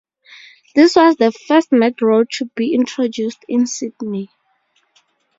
This was the first Metroad to be introduced in Sydney.